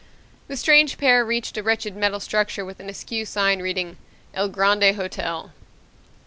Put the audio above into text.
The strange pair reached a wretched metal structure with an askew sign reading, "El Grande Hotel."